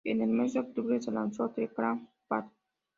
En el mes de octubre, se lanzó, "The Clan Part.